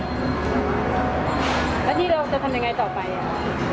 แล้วที่เราจะทำยังไงต่อไปอ่ะ